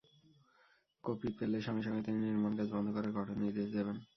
Copy পেলে সঙ্গে সঙ্গে তিনি নির্মাণকাজ বন্ধ করার কঠোর নির্দেশ দেবেন।